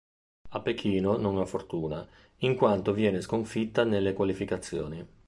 A Pechino non ha fortuna, in quanto viene sconfitta nelle qualificazioni.